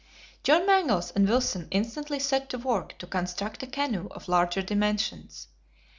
John Mangles and Wilson instantly set to work to construct a canoe of larger dimensions.